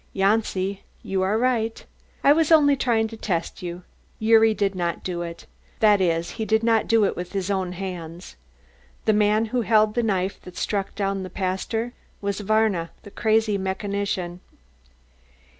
"Janci, you are right. I was only trying to test you. Gyuri did not do it; that is, he did not do it with his own hands. The man who held the knife that struck down the pastor was Varna, the crazy mechanician."